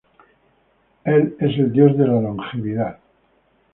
Él es el dios de la longevidad.